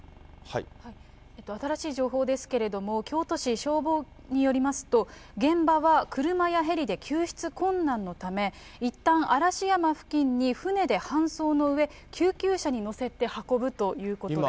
新しい情報ですけれども、京都市消防によりますと、現場は車やヘリで救出困難のため、いったん、嵐山付近に舟で搬送のうえ、救急車に乗せて運ぶということです。